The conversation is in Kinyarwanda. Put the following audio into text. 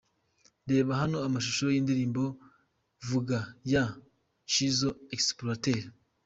Reba hano amashusho y’indirimbo Vuga Yeah ya Nshizo Exploiter .